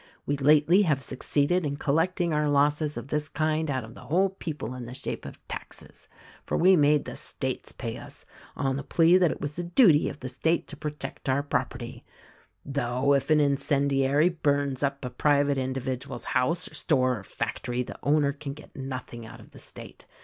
We lately have succeeded in collecting our losses of this kind out of the whole people in the shape of taxes ; for we made the States pay us, on the plea that it was the duty of the State to protect our property — though, if an incendiary burns up a private individual's house or store or factory the owner can get nothing out of the State.